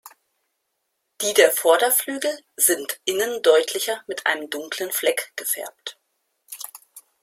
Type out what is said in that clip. Die der Vorderflügel sind innen deutlicher mit einem dunklen Fleck gefärbt.